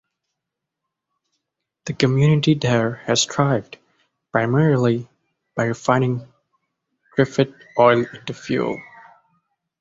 The community there has thrived, primarily by refining triffid oil into fuel.